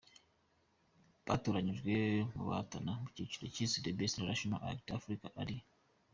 batoranyijwe mu bahatana mu cyiciro cyiswe Best International Act: Africa ari.